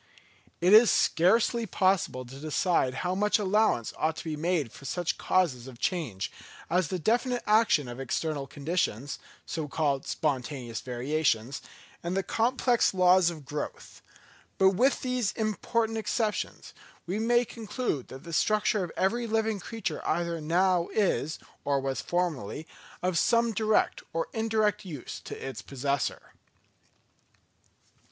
It is scarcely possible to decide how much allowance ought to be made for such causes of change, as the definite action of external conditions, so called spontaneous variations, and the complex laws of growth; but with these important exceptions, we may conclude that the structure of every living creature either now is, or was formerly, of some direct or indirect use to its possessor.